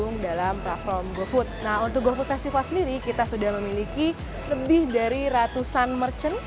nah untuk gofood festival sendiri kita sudah memiliki lebih dari ratusan merchant